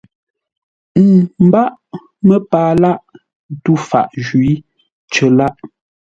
Ə́ mbáʼ məpaa lâʼ tû faʼ jwǐ cər lâʼ.